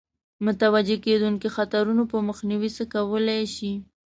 متوجه کېدونکو خطرونو په مخنیوي څه کولای شي.